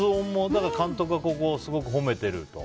だから、監督はここをすごく褒めてると。